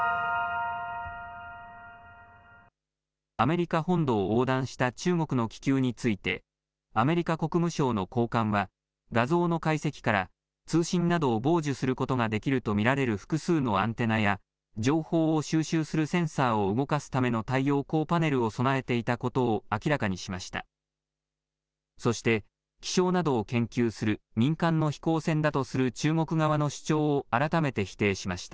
アメリカ本土を横断した中国の気球についてアメリカ国務省の高官は画像の解析から通信などを傍受することができると見られる複数のアンテナや情報を収集するセンサーを動かすための太陽光パネルを備えていたことを明らかにしました。